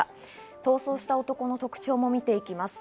逃走した男の特徴も見ていきます。